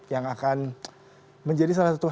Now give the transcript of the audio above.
yang akan menjadi salah satu